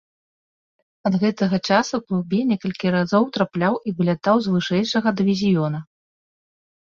Ад гэтага часу клубе некалькі разоў трапляў і вылятаў з вышэйшага дывізіёна.